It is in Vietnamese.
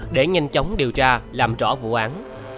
để nhanh chóng điều tra làm rõ vụ án